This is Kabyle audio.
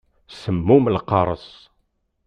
Semmum lqareṣ.